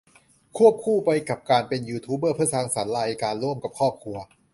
ควบคู่ไปกับการเป็นยูทูบเบอร์สร้างสรรค์รายการร่วมกับครอบครัว